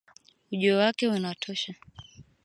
ujio wake unatosha